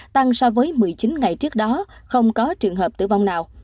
tăng so với một mươi chín ngày trước đó không có trường hợp tử vong nào